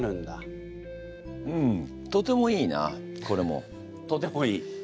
うんとてもいいなこれも。とてもいい？